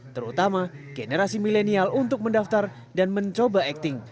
terutama generasi milenial untuk mendaftar dan mencoba acting